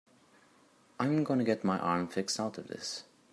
I'm gonna get my arm fixed out of this.